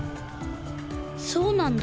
そうなんだ。